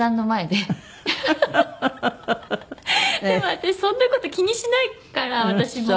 でも私そんな事気にしないから私も。